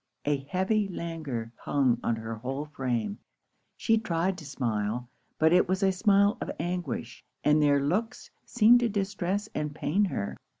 A heavy languor hung on her whole frame. She tried to smile; but it was a smile of anguish; and their looks seemed to distress and pain her.